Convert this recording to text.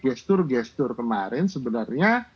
gestur gestur kemarin sebenarnya